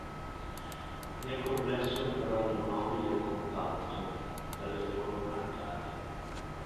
Nel complesso è un cavallo nobile e compatto, dalle forme marcate.